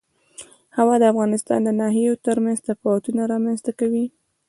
هوا د افغانستان د ناحیو ترمنځ تفاوتونه رامنځ ته کوي.